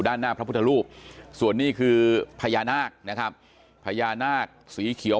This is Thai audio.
ด้านหน้าพระพุทธรูปส่วนนี้คือพญานาคนะครับพญานาคสีเขียว